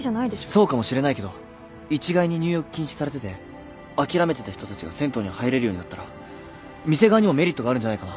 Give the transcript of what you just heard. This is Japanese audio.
そうかもしれないけど一概に入浴禁止されてて諦めてた人たちが銭湯に入れるようになったら店側にもメリットがあるんじゃないかな。